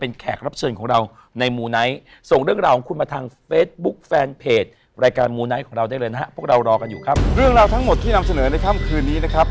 โปรดประธานให้จงสำเร็จเป็นปฏิหารโดยฉับพรรณนั้นด้วยทืน